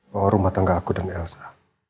bahwa rumah tangga aku dan elsa